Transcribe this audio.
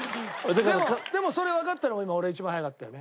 でもそれわかったのが今俺一番早かったよね。